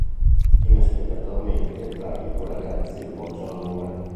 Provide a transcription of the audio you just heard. Inaspettatamente tra i due ragazzi sboccia l'amore.